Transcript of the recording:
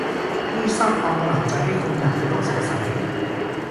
นี่สร้างความประหลาดใจให้คุณอย่างไม่ต้องสงสัย